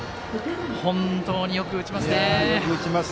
本当によく打ちますね。